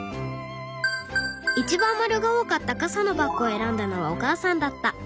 一番丸が多かった傘のバッグを選んだのはお母さんだった。